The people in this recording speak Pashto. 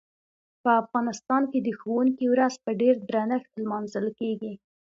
په افغانستان کې د ښوونکي ورځ په ډیر درنښت لمانځل کیږي.